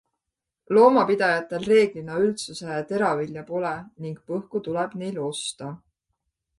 Loomapidajatel reeglina üldse teravilja pole ning põhku tuleb neil osta.